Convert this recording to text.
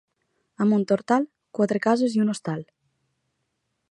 A Montortal, quatre cases i un hostal.